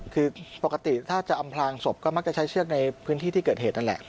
คือปกติถ้าจะอำพลางศพก็มักจะใช้เชือกในพื้นที่ที่เกิดเหตุนั่นแหละ